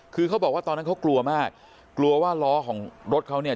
คือเขาบอกว่าตอนนั้นเขากลัวมากกลัวว่าล้อของรถเขาเนี่ย